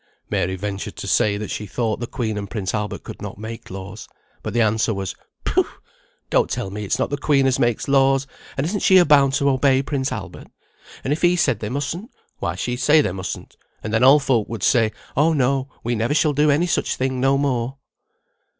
Mary ventured to say that she thought the Queen and Prince Albert could not make laws, but the answer was, "Pooh! don't tell me it's not the Queen as makes laws; and isn't she bound to obey Prince Albert? And if he said they mustn't, why she'd say they mustn't, and then all folk would say, oh no, we never shall do any such thing no more."